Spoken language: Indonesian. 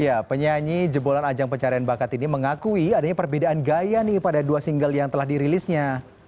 ya penyanyi jebolan ajang pencarian bakat ini mengakui adanya perbedaan gaya nih pada dua single yang telah dirilisnya